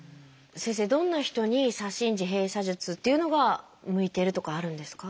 先生どんな人に左心耳閉鎖術っていうのが向いているとかあるんですか？